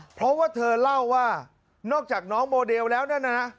เพราะว่าเธอเล่าว่านอกจากน้องโมเดลแล้วนั่นน่ะนะ